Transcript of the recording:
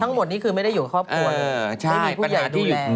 นี่คือไม่ได้อยู่กับครอบครัวไม่มีผู้ใหญ่ดูแล